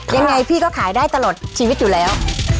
ยังไงพี่ก็ขายได้ตลอดชีวิตอยู่แล้ว